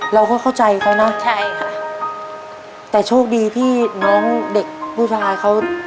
เราก็เข้าใจเขาเนอะใช่ค่ะแต่โชคดีที่น้องเด็กผู้ชายเขา